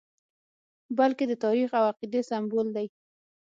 بلکې د تاریخ او عقیدې سمبول دی.